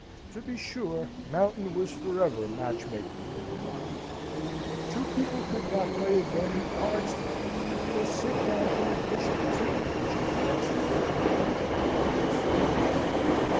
To be sure, Mountain was for ever match making in her mind. Two people could not play a game at cards together, or sit down to a dish of tea, but she fancied their conjunction was for life.